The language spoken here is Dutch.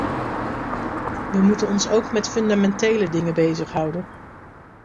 We moeten ons ook met fundamentele dingen bezighouden.